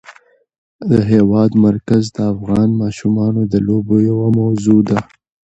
د هېواد مرکز د افغان ماشومانو د لوبو یوه موضوع ده.